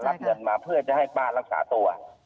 รับเงินมาเพื่อจะให้ป้ารักษาตัว